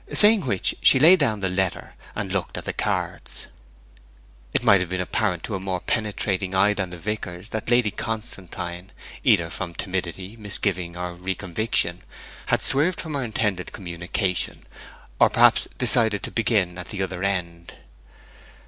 Saying which she laid down the letter and looked at the cards. It might have been apparent to a more penetrating eye than the vicar's that Lady Constantine, either from timidity, misgiving, or reconviction, had swerved from her intended communication, or perhaps decided to begin at the other end.